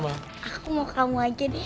aku mau ke kamu aja deh